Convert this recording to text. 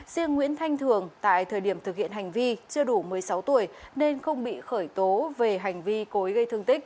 riêng nguyễn thanh thường tại thời điểm thực hiện hành vi chưa đủ một mươi sáu tuổi nên không bị khởi tố về hành vi cối gây thương tích